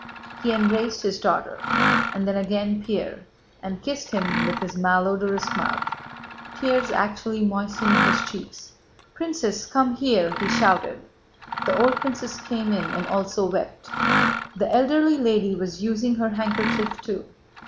He embraced his daughter, and then again Pierre, and kissed him with his malodorous mouth. Tears actually moistened his cheeks. "Princess, come here!" he shouted. The old princess came in and also wept. The elderly lady was using her handkerchief too.